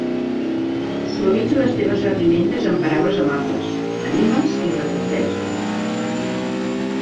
Suavitza les teves reprimendes amb paraules amables; anima'ls i recompensa'ls.